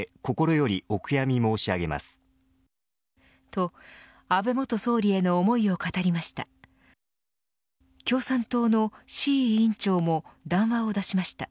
と安倍元総理への思いを語りました。